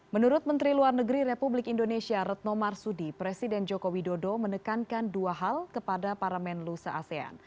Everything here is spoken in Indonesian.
menurut menteri luar negeri republik indonesia retno marsudi presiden joko widodo menekankan dua hal kepada para menlu se asean